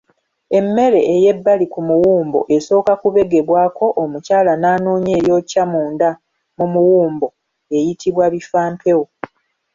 Emmere eyebbali ku muwumbo esooka okubegebwako omukyala n'anoonya eryokya munda mu muwumbo eyitibwa Bifampewo.